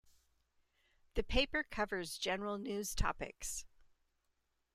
The paper covers general news topics.